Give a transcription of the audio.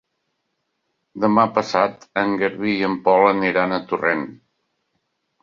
Demà passat en Garbí i en Pol aniran a Torrent.